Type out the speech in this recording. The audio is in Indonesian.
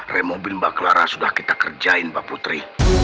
remobin mbak clara sudah kita kerjain mbak putri